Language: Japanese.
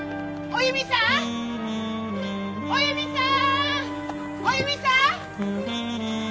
おゆみさん？